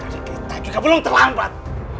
jadi kita juga belum terlambat